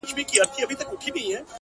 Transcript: خداى پاماني كومه~